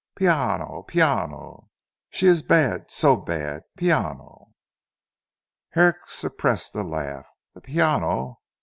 Piano! Piano. She is bad so bad. Piano!" Herrick suppressed a laugh. The "Piano!